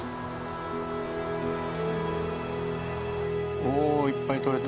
おおいっぱい採れた。